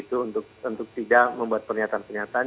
untuk tidak membuat pernyataan pernyataan